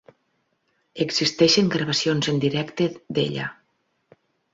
Existeixen gravacions en directe d'ella.